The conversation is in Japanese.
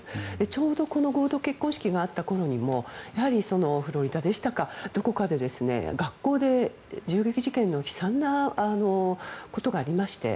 ちょうど、この合同結婚式があったころにもフロリダでしたか、どこかで学校で、銃撃事件の悲惨なことがありまして。